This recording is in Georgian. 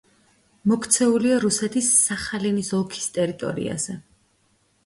მოქცეულია რუსეთის სახალინის ოლქის ტერიტორიაზე.